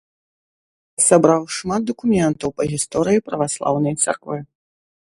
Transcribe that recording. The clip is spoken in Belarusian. Сабраў шмат дакументаў па гісторыі праваслаўнай царквы.